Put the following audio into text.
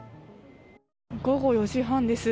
午後４時半です。